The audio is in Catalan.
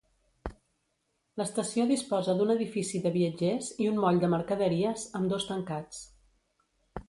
L'estació disposa d'un edifici de viatgers i un moll de mercaderies, ambdós tancats.